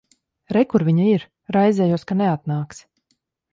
Re, kur viņa ir. Raizējos, ka neatnāksi.